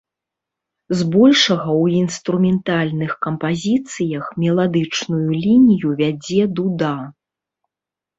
Збольшага ў інструментальных кампазіцыях меладычную лінію вядзе дуда.